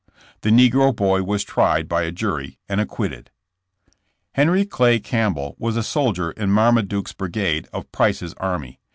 The negro boy was tried by a jury and acquitted. Henry Clay Campbell was a soldier in Marma duke's brigade of Price's army.